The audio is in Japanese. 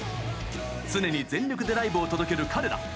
常に全力でライブを届ける彼ら